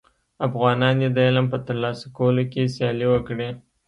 افغانان دي د علم په تر لاسه کولو کي سیالي وکړي.